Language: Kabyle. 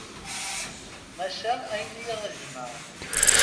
Maca ayen i aɣ-ijemɛen.